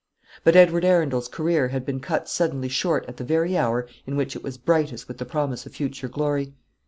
But Edward Arundel's career had been cut suddenly short at the very hour in which it was brightest with the promise of future glory.